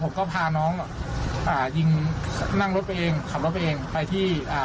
ผมก็พาน้องอ่ะอ่ายิงนั่งรถไปเองขับรถไปเองไปที่อ่า